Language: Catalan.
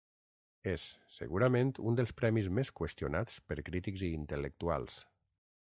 És, segurament un dels premis més qüestionats per crítics i intel·lectuals.